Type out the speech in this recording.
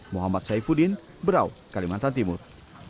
muhammad saifuddin berau kalimantan timur